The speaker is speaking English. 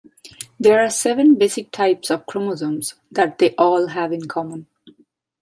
There are seven basic "types" of chromosomes that they all have in common.